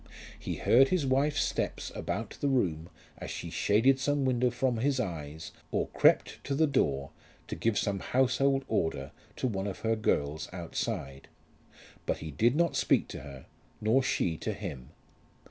He heard his wife's steps about the room as she shaded some window from his eyes, or crept to the door to give some household order to one of her girls outside; but he did not speak to her, nor she to him.